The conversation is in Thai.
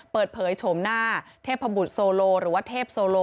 เปิดเผยโฉมหน้าเทพผบุษโซโลหรือว่าเทพโซโล